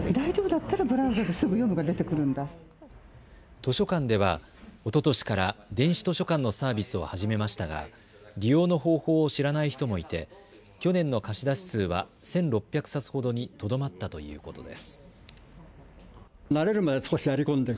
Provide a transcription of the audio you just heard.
図書館ではおととしから電子図書館のサービスを始めましたが、利用の方法を知らない人もいて去年の貸し出し数は１６００冊ほどにとどまったということです。